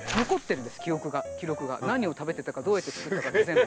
何を食べてたかどうやって作ったかって全部。